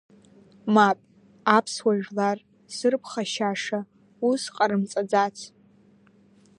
Мап, аԥсуа жәлар зырԥхашьаша ус ҟарымҵаӡац.